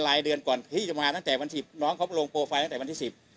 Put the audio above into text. รายเดือนก่อนพี่จะมาตั้งแต่วันที่น้องเขาลงโปรไฟล์ตั้งแต่วันที่สิบ